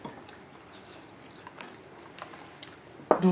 どう？